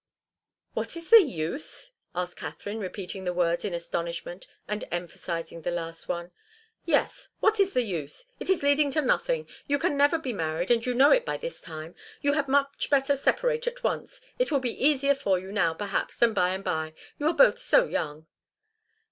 "What is the use?" asked Katharine, repeating the words in astonishment and emphasizing the last one. "Yes. What is the use? It is leading to nothing. You never can be married, and you know it by this time. You had much better separate at once. It will be easier for you now, perhaps, than by and by. You are both so young!"